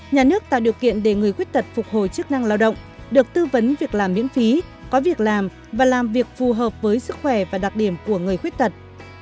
một nhà nước tạo điều kiện để người khuyết tật phục hồi chức năng lao động được tư vấn việc làm miễn phí có việc làm và làm việc phù hợp với sức khỏe và đặc điểm của người khuyết tật